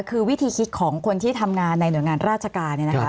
คือวิธีคิดของคนที่ทำงานในหน่วยงานราชการเนี่ยนะคะ